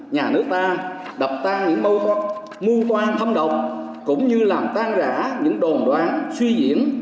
nhà nước ta đập tan những mưu toan thâm độc cũng như làm tan rã những đồn đoán suy diễn